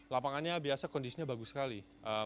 lapangannya biasa kondisinya bagus sekali